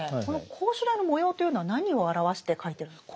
この絞首台の模様というのは何を表して書いてる？